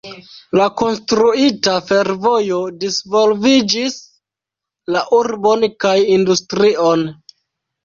La konstruita fervojo disvolviĝis la urbon kaj industrion.